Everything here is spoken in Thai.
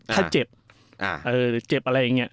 ถ้าเจ็บเจ็บอะไรอย่างนี้